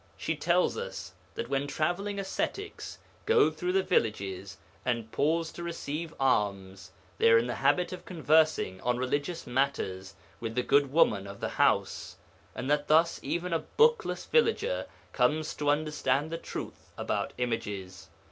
She tells us that when travelling ascetics go through the villages, and pause to receive alms, they are in the habit of conversing on religious matters with the good woman of the house, and that thus even a bookless villager comes to understand the truth about images.